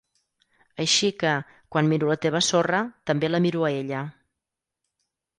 Així que, quan miro la teva sorra, també la miro a ella.